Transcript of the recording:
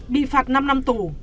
bị phạt năm năm tù